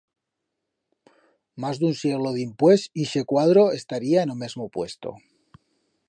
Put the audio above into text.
Mas d'un sieglo dimpués, ixe cuadro estaría en o mesmo puesto.